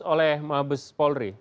oleh mabes polri